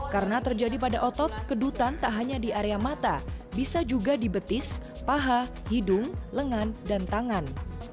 karena terjadi pada otot kedutan tak hanya di area mata bisa juga di betis paha hidung lengan dan tangan